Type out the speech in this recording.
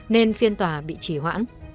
nên phiên tòa bị trì hoãn